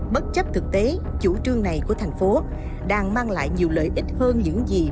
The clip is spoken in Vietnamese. bất chấp thực tế chủ trương này của thành phố đang mang lại nhiều lợi ích hơn những gì